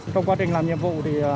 trong quá trình làm nhiệm vụ